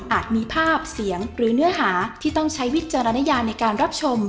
มีภาพเสียงหรือเนื้อหาที่ต้องใช้วิจารณญาในการรับชม